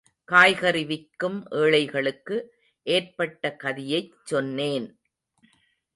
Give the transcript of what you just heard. காய்கறி விற்கும் ஏழைகளுக்கு ஏற்பட்ட கதியைச் சொன்னேன்.